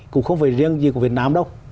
cũng không phải riêng gì của việt nam đâu